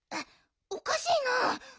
おかしいな。